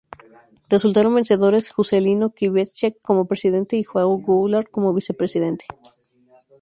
Resultaron vencedores Juscelino Kubitschek como presidente y João Goulart como vicepresidente.